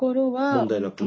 問題なく？